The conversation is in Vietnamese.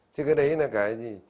thì cái đấy là cái gì